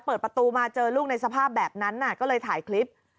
เปิดประตูมาเจอลูกในสภาพแบบนั้นก็เลยถ่ายคลิป